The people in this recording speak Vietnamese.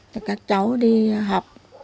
cho các cháu đi học